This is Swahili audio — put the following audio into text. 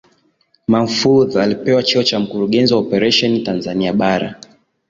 Mahfoudhi alipewa cheo cha Mkurugenzi wa Operesheni Tanzania Bara